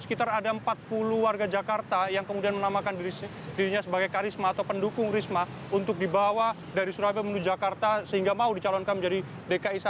sekitar ada empat puluh warga jakarta yang kemudian menamakan dirinya sebagai karisma atau pendukung risma untuk dibawa dari surabaya menuju jakarta sehingga mau dicalonkan menjadi dki satu